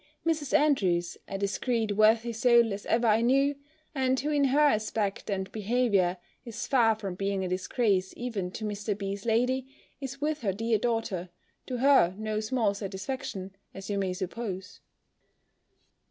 Mrs. Andrews, a discreet worthy soul as ever I knew, and who in her aspect and behaviour is far from being a disgrace even to Mr. B.'s lady, is with her dear daughter, to her no small satisfaction, as you may suppose.